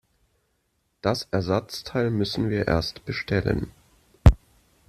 Das Ersatzteil müssten wir erst bestellen.